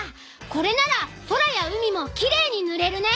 これなら空や海もきれいにぬれるね。